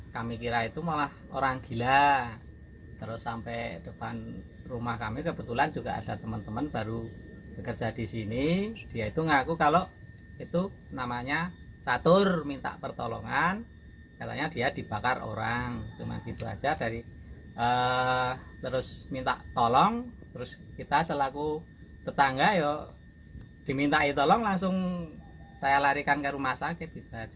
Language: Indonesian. kita selaku tetangga dimintai tolong langsung saya larikan ke rumah sakit